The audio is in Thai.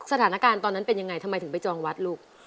สถานการณ์ตอนนั้นเป็นยังไงทำไมถึงไปจองวัดลูก